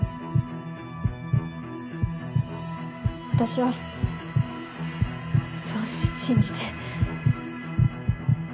私はそう信じて。